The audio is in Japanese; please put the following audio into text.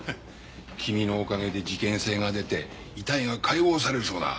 君のおかげで事件性が出て遺体が解剖されるそうだ。